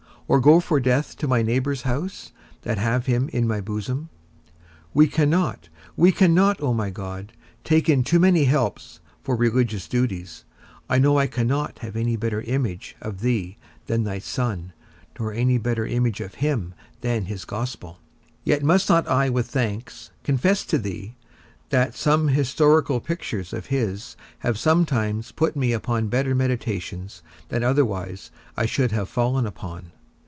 or go for death to my neighbour's house, that have him in my bosom? We cannot, we cannot, O my God, take in too many helps for religious duties; I know I cannot have any better image of thee than thy Son, nor any better image of him than his Gospel; yet must not I with thanks confess to thee, that some historical pictures of his have sometimes put me upon better meditations than otherwise I should have fallen upon?